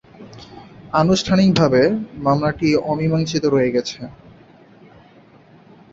আনুষ্ঠানিকভাবে, মামলাটি অমীমাংসিত রয়ে গেছে।